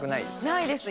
ないです